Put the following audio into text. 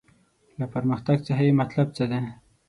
له پرمختګ څخه یې مطلب څه دی.